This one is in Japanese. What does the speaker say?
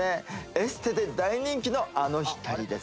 エステで大人気のあの光です